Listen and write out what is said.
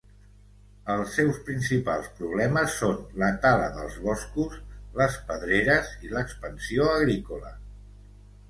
Els seus principals problemes són la tala dels boscos, les pedreres i l'expansió agrícola.